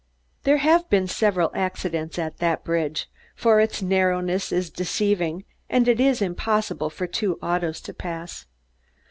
There have been several accidents at the bridge, for its narrowness is deceiving and it is impossible for two autos to pass.